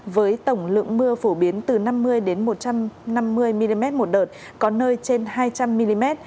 với tổng lượng mưa phổ biến từ năm mươi một trăm năm mươi mm một đợt có nơi trên hai trăm linh mm